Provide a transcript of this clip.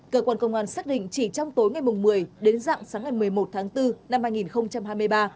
cơ quan công an xác định chỉ trong tối ngày một mươi đến dạng sáng ngày một mươi một tháng bốn năm hai nghìn hai mươi ba